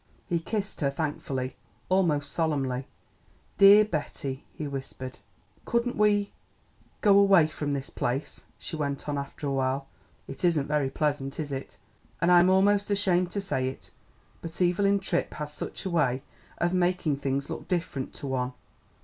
He kissed her thankfully, almost solemnly. "Dear Betty," he whispered. "Couldn't we go away from this place?" she went on after a while. "It isn't very pleasant, is it? and I'm almost ashamed to say it but Evelyn Tripp has such a way of making things look different to one.